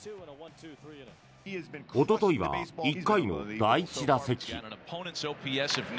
おとといは１回の第１打席。